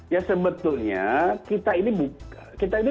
ya sebetulnya kita ini